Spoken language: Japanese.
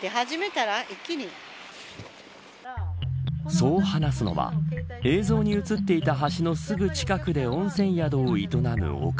そう話すのは映像に映っていた橋のすぐ近くで温泉宿を営む女将。